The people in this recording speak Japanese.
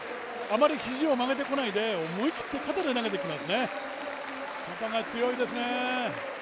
あまり肘を曲げてこないで、思い切って立てて投げてきますね。